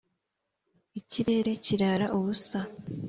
ikirere kirara ubusa